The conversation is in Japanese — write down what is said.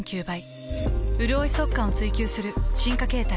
うるおい速乾を追求する進化形態。